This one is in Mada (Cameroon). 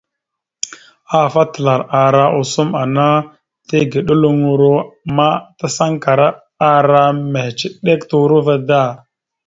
Ahaf atəlar ara osom ana tigeɗoloŋoro ma ta sankara ara mehəciɗek turova da.